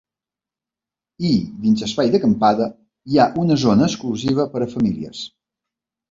I dins l’espai d’acampada, hi ha una zona exclusiva per a famílies.